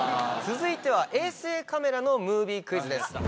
続いては衛星カメラのムービークイズです。